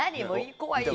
怖い。